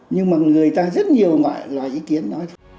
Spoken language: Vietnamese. nhưng mà người ta rất nhiều ngại ý kiến nói